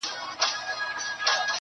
یو قاضي بل څارنوال په وظیفه کي,